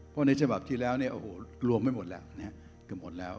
เพราะในฉบับที่แล้วเนี่ยโอ้โหรวมไม่หมดแล้ว